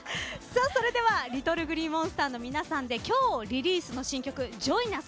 それではＬｉｔｔｌｅＧｌｅｅＭｏｎｓｔｅｒの皆さんで今日リリースの新曲「ＪｏｉｎＵｓ！」